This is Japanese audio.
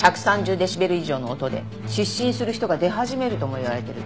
デシベル以上の音で失神する人が出始めるともいわれてる。